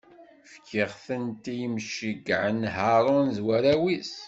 Fkiɣ-tent i yimceyyɛen Haṛun d warraw-is.